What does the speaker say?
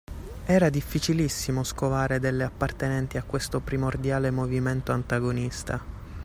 Era difficilissimo scovare delle appartenenti a questo primordiale movimento antagonista.